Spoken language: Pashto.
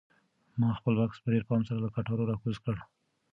ما خپل بکس په ډېر پام سره له کټاره راکوز کړ.